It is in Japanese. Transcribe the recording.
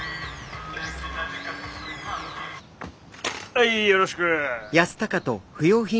はいよろしく！